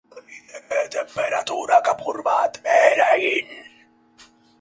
Baliteke tenperaturak apur bat behera egin.